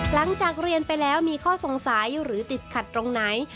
หลังจากเรียนไปแล้วมีข้อสงสัยหรือติดขัดตรงไหน